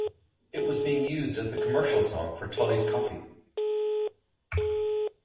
It was being used as the commercial song for Tully's Coffee.